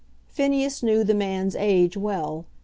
Phineas knew the man's age well.